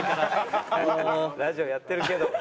ラジオやってるけども。